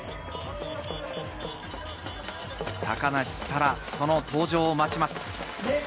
高梨沙羅、その登場を待ちます。